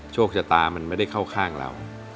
โชคชะตามันไม่ได้เข้าข้างเรา